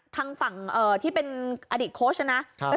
ทางฝั่งที่เป็นอดีตโค้ชนะนะ